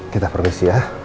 kita permisi ya